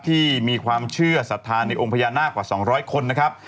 ที่มีความเชื่อสัทธาในองค์พญานาคกว่า๒๐๐คนนะครับ